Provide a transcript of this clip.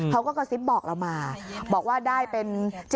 เขาก็กระซิบบอกเรามาบอกว่าได้เป็น